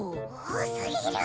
おおすぎる。